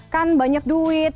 kan banyak duit